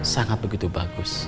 sangat begitu bagus